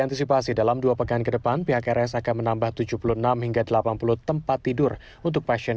antisipasi dalam dua pekan ke depan pihak rs akan menambah tujuh puluh enam hingga delapan puluh tempat tidur untuk pasien